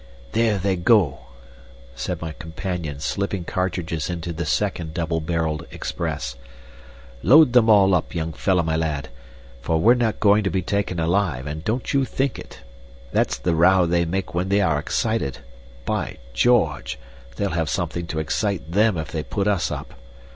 "There they go!" said my companion, slipping cartridges into the second double barrelled "Express." "Load them all up, young fellah my lad, for we're not going to be taken alive, and don't you think it! That's the row they make when they are excited. By George! they'll have something to excite them if they put us up.